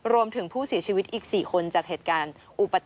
รวมถึงผู้เสียชีวิตอีก๔คนจากเหตุการณ์อุปติ